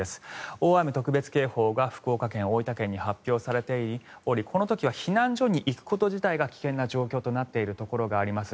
大雨特別警報が福岡県、大分県に発表されておりこの時は避難所に行くこと自体が危険となっていることがあります。